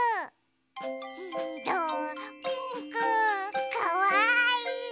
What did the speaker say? きいろピンクかわいい！